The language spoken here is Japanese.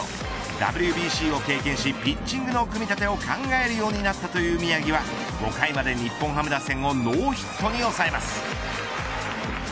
ＷＢＣを経験しピッチングの組み立てを考えるようになったという宮城は５回まで日本ハム打線をノーヒットに抑えます。